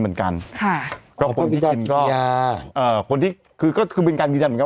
เหมือนกันค่ะก็คนที่กินก็ยาเอ่อคนที่คือก็คือเป็นการยืนยันเหมือนกัน